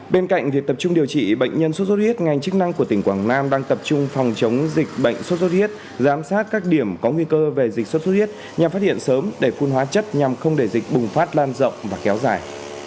bên cạnh việc tập trung điều trị bệnh nhân xuất xuất huyết ngành chức năng của tỉnh quảng nam đang tập trung phòng chống dịch bệnh sốt sốt huyết giám sát các điểm có nguy cơ về dịch sốt xuất huyết nhằm phát hiện sớm để phun hóa chất nhằm không để dịch bùng phát lan rộng và kéo dài